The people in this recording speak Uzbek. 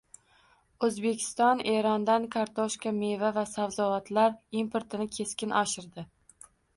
O‘zbekiston Erondan kartoshka, meva va sabzavotlar importini keskin oshirdi